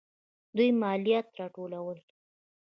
دویم: مالیات راټولول.